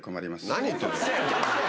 何言ってるの。